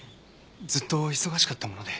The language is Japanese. ずっと忙しかったもので。